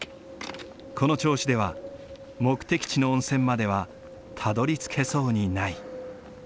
この調子では目的地の温泉まではたどりつけそうにない。